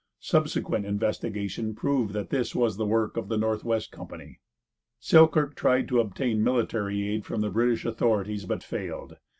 Subsequent investigation proved that this was the work of the Northwest Company. Selkirk tried to obtain military aid from the British authorities, but failed.